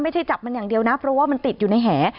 จับมันอย่างเดียวนะเพราะว่ามันติดอยู่ในแห